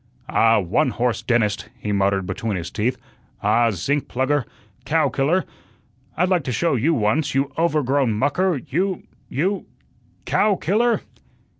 "Ah, one horse dentist," he muttered between his teeth. "Ah, zinc plugger, cow killer, I'd like to show you once, you overgrown mucker, you you COW KILLER!"